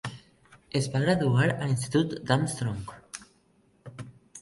Es va graduar a l'institut d'Armstrong.